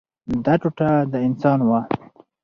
دا ټوټه د انسان وه.